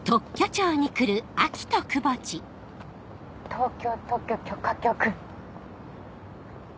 「東京特許許可局」。